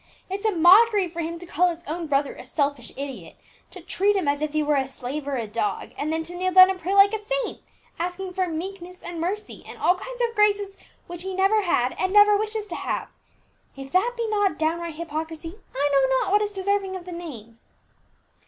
"It's a mockery for him to call his own brother a selfish idiot, to treat him as if he were a slave or a dog, and then to kneel down and pray like a saint, asking for meekness and mercy, and all kinds of graces which he never had, and never wishes to have. If that be not downright hypocrisy, I know not what is deserving of the name."